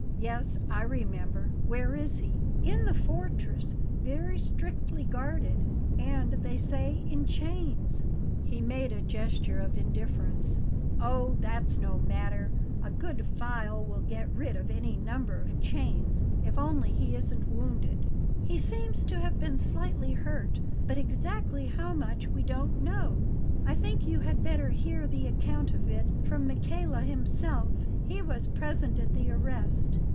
"Yes, I remember. Where is he?" "In the fortress; very strictly guarded, and, they say, in chains." He made a gesture of indifference. "Oh, that's no matter; a good file will get rid of any number of chains. If only he isn't wounded " "He seems to have been slightly hurt, but exactly how much we don't know. I think you had better hear the account of it from Michele himself; he was present at the arrest."